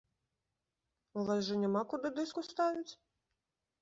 У вас жа няма, куды дыск уставіць!?